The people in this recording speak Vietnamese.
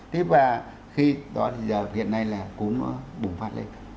thế và khi đó thì giờ hiện nay là cúm nó bùng phát lên